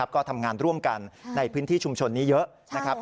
ก็ทำงานร่วมกันในพื้นที่ชุมชนนี้เยอะนะครับ